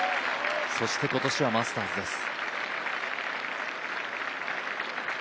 そして今年はマスターズです。